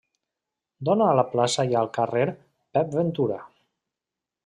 Dóna a la plaça i al carrer Pep Ventura.